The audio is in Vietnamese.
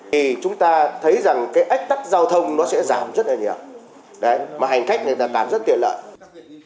thì chúng ta thấy rằng cái ách tắc giao thông nó sẽ giảm rất là nhiều mà hành khách người ta làm rất tiện lợi